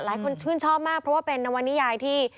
ชื่นชอบมากเพราะว่าเป็นนวนิยายที่